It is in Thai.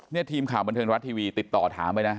นี่ทีมข่าวบันเทิงรัฐทีวีติดต่อถามไปนะ